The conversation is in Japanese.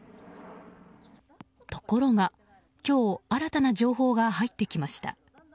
ところが今日新たな情報が入ってきました。